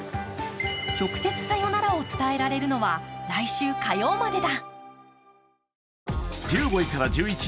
直接さよならを伝えられるのは来週火曜までだ。